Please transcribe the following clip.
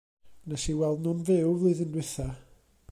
Wnes i weld nhw'n fyw flwyddyn dwytha.